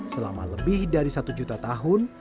selama lebih dari satu juta tahun